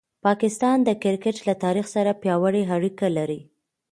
پاکستان د کرکټ له تاریخ سره پیاوړې اړیکه لري.